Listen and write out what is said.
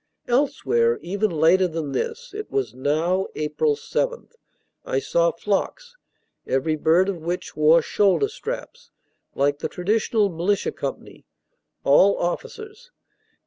Elsewhere, even later than this (it was now April 7), I saw flocks, every bird of which wore shoulder straps, like the traditional militia company, all officers.